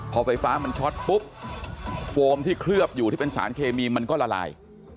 พอไฟฟ้ามันช็อตปุ๊บโฟมที่เคลือบอยู่ที่เป็นสารเคมีมันก็ละลาย